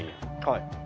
はい。